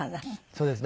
そうです。